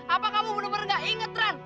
apa kamu bener bener gak inget ran